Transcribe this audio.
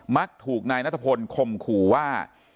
มักถูกนายนัทพลคมขู่ว่า